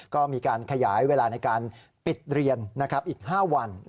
ก็มีการขยายเวลาในการปิดเรียนอีก๕วัน